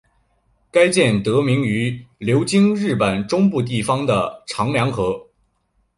该舰得名于流经日本中部地方的长良河。